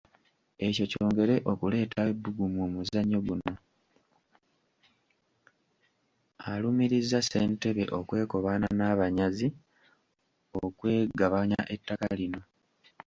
Alumirizza Ssentebe okwekobaana n’abanyazi okwegabanya ettaka lino.